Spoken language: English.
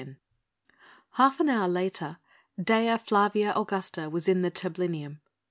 Half an hour later Dea Flavia Augusta was in the tablinium.